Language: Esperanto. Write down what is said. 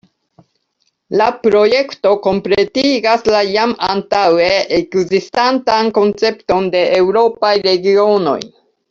La projekto kompletigas la jam antaŭe ekzistantan koncepton de eŭropaj regionoj.